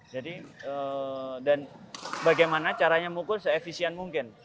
jadi dan bagaimana caranya mukul seefisien mungkin